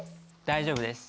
大丈夫です。